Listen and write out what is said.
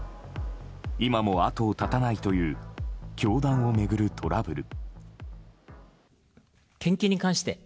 今も後を絶たないという教団を巡るトラブル。